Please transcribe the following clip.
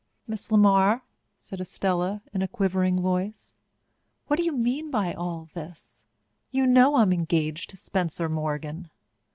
"Miss LeMar," said Estella in a quivering voice, "what do you mean by all this? You know I'm engaged to Spencer Morgan!"